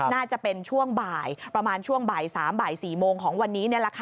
น่าจะเป็นช่วงบ่ายประมาณช่วงบ่าย๓๔โมงของวันนี้นี่แหละค่ะ